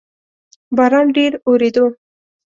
باران ډیر اوورېدو